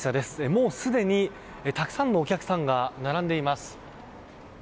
もうすでにたくさんのお客さんが並んでいます。